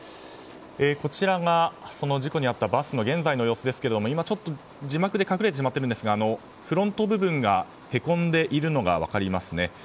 こちらが、その事故に遭ったバスの現在の様子ですが今、ちょっと字幕で隠れてしまっているんですがフロント部分がへこんでいるのが分かりますね。